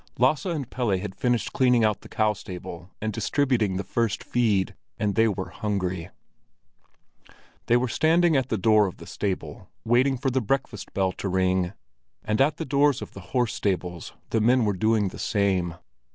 Lasse and Pelle had finished cleaning out the cow stable and distributing the first feed, and they were hungry. They were standing at the door of the stable, waiting for the breakfast bell to ring; and at the doors of the horse stables, the men were doing the same.